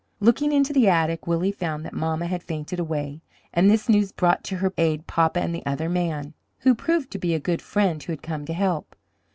Looking into the attic, Willie found that mamma had fainted away, and this news brought to her aid papa and the other man, who proved to be a good friend who had come to help.